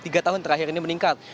tiga tahun terakhir ini meningkat